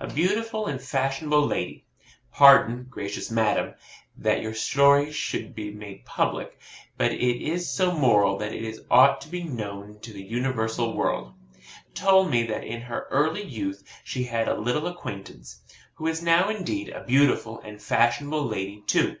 A beautiful and fashionable lady (pardon, gracious madam, that your story should be made public; but it is so moral that it ought to be known to the universal world) told me that in her early youth she had a little acquaintance, who is now indeed a beautiful and fashionable lady too.